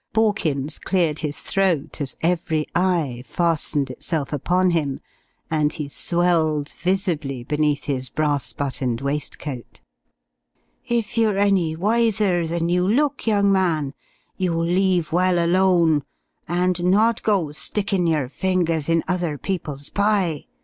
Borkins cleared his throat as every eye fastened itself upon him, and he swelled visibly beneath his brass buttoned waistcoat. "If you're any wiser than you look, young man, you'll leave well alone, and not go stickin' your fingers in other peoples' pie!"